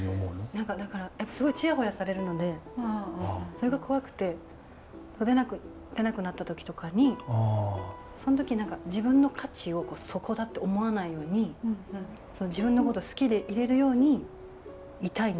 何かだからすごいチヤホヤされるのでそれが怖くて出なくなった時とかにその時何か自分の価値をそこだって思わないように自分のことを好きでいれるようにいたいなっていうのは。